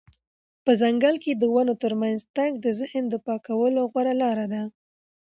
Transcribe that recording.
په ځنګل کې د ونو ترمنځ تګ د ذهن د پاکولو غوره لاره ده.